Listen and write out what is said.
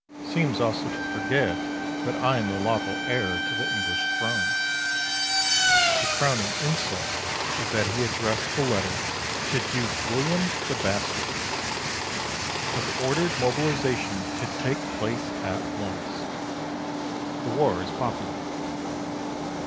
Seems also to forget that I am the lawful heir to the English throne. The crowning insult is that he addressed the letter to Duke William the Bastard. Have ordered mobilisation to take place at once. The war is popular.